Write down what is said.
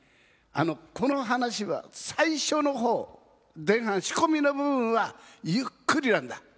この話は最初の方前半仕込みの部分はゆっくりなんだ。